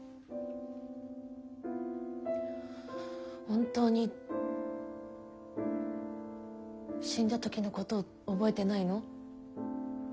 本当に死んだ時のこと覚えてないの？